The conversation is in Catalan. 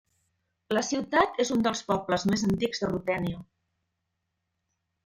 La ciutat és un dels pobles més antics de Rutènia.